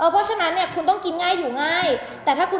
คุณจะมีกิ๊ก